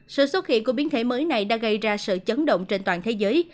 sự xuất hiện của biến thể mới này đã gây ra sự chấn động trên toàn thế giới